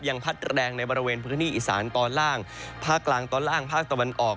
พัดแรงในบริเวณพื้นที่อีสานตอนล่างภาคกลางตอนล่างภาคตะวันออก